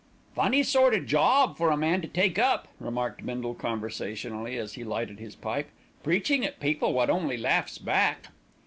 "Funny sort of job for a man to take up," remarked Bindle conversationally, as he lighted his pipe, "preaching at people wot only laughs back."